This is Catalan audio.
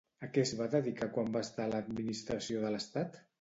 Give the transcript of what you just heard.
A què es va dedicar quan va estar a l'Administració de l'Estat?